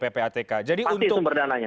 pasti sumber dananya